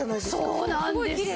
そうなんですよ。